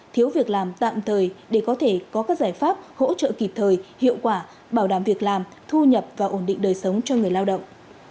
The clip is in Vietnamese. thiếu việc làm tạm thời để có thể có các giải pháp hỗ trợ kịp thời hiệu quả bảo đảm việc làm thu nhập và ổn định đời sống cho người lao động